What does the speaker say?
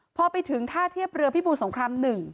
พอไปถึงท่าเทียบเรือพิบูรสงคราม๑